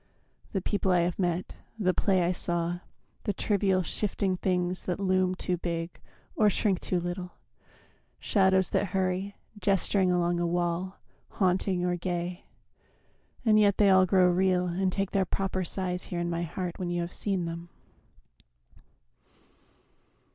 The people I have met, The play I saw, the trivial, shifting things That loom too big or shrink too little, shadows That hurry, gesturing along a wall, Haunting or gay and yet they all grow real And take their proper size here in my heart When you have seen them.